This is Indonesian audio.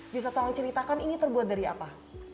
bisa tolong ceritakan ini terbuat dari apa